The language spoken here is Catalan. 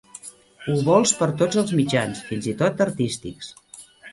Ho vols per tots els mitjans, fins i tot artístics.